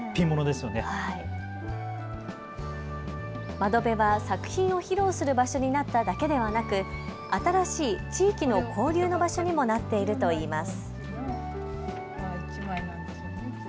窓辺は作品を披露する場所になっただけではなく新しい地域の交流の場所にもなっているといいます。